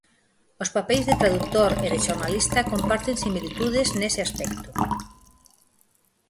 Os papeis de tradutor e de xornalista comparten similitudes nese aspecto.